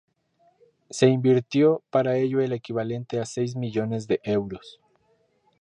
Se invirtió para ello el equivalente a seis millones de euros.